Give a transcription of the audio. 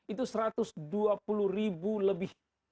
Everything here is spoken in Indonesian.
itu rp satu ratus dua puluh lebih